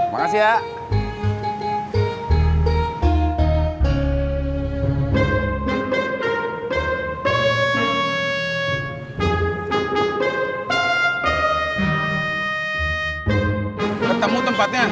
bagaimana where you going